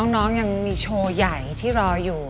น้องยังมีโชว์ใหญ่ที่รออยู่